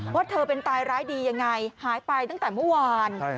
ว่าเธอเป็นตายร้ายดียังไงหายไปตั้งแต่เมื่อวาน